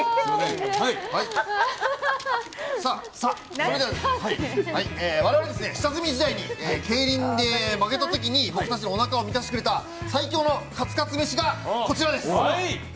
それでは我々、下積み時代にケイリンで負けた時に僕たちのおなかを満たしてくれた最強のカツカツ飯がこちらです。